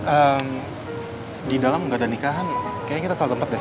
eee di dalam gak ada nikahan kayaknya kita selalu tempat deh